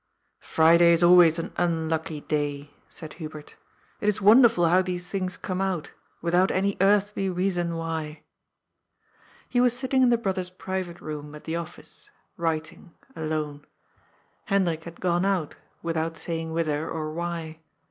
" Friday is always an unlucky day," said Hubert. " It is wonderful how these things come out, without any earthly reason why." He was sitting in the brothers' private room at the Office, writing, alone. Hendrik had gone out, without saying whither or why.